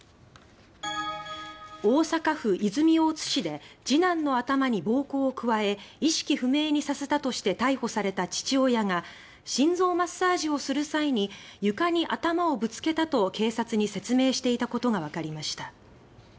大阪府泉大津市で次男の頭に暴行を加え意識不明にさせたとして逮捕された父親が「心臓マッサージをする際に床に頭をぶつけた」と警察に説明していたことがわかりました。